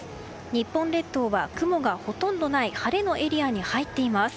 日本列島はほとんど雲がない晴れのエリアに入っています。